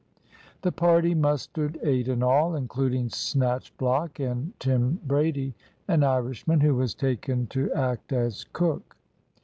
The party mustered eight in all, including Snatchblock and Tim Brady, an Irishman, who was taken to act as cook.